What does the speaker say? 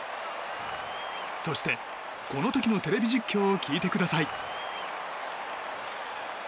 そして、この時のテレビ実況を聞いてください。